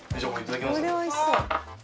これ美味しそう。